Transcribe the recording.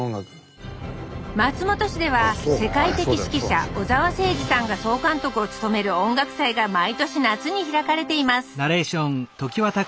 松本市では世界的指揮者小澤征爾さんが総監督を務める音楽祭が毎年夏に開かれています